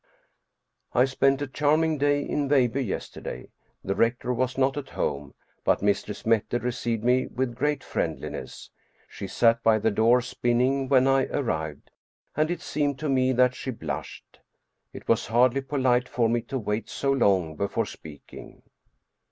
I spent a charming day in Veilbye yesterday. The rec tor was not at home, but Mistress Mette received me with great friendliness. She sat by the door spinning when I arrived, and it seemed to me that she blushed. It was hardly polite for me to wait so long before speaking.